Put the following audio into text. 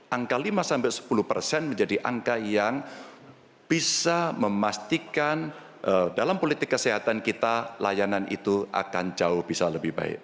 angka lima sepuluh menjadi angka yang bisa memastikan dalam politik kesehatan kita layanan itu akan jauh bisa lebih baik